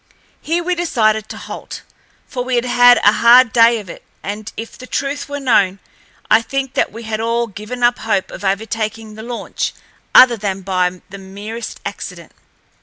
Here we decided to halt, for we had had a hard day of it, and, if the truth were known, I think that we had all given up hope of overtaking the launch other than by the merest accident.